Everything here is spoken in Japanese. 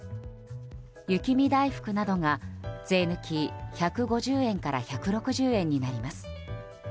雪見だいふくなどが税抜き１５０円から１６０円になります。